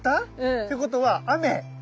ってことは雨！